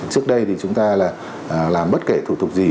trước đây thì chúng ta là làm bất kể thủ tục gì